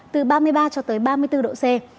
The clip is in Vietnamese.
từ ba mươi ba cho tới ba mươi bốn độ c